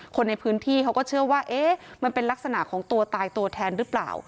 คนในพื้นที่เขาก็เชื่อว่าเอ๊ะมันเป็นลักษณะของตัวตายตัวแทนหรือเปล่า